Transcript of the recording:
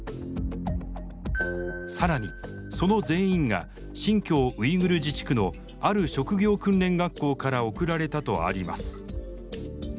更にその全員が新疆ウイグル自治区のある職業訓練学校から送られたとあります。